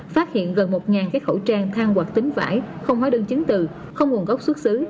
phát hiện gần một cái khẩu trang thang hoặc tính vải không hóa đơn chứng từ không nguồn gốc xuất xứ